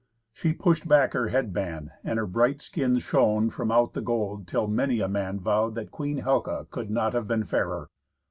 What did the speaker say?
She pushed back her head band, and her bright skin shone from out the gold, till many a man vowed that queen Helca could not have been fairer.